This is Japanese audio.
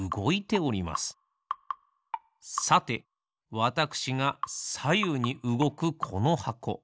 さてわたくしがさゆうにうごくこのはこ。